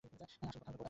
আসল কথা– গোরা।